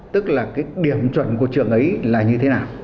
tức là cái điểm chuẩn của trường ấy là như thế nào